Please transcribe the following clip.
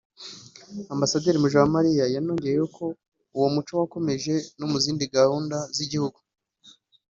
Amb Mujawamariya yanongeyeho ko uwo muco wakomeje no mu zindi gahunda z’Igihugu